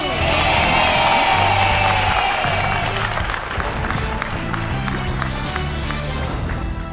เท่าไหร่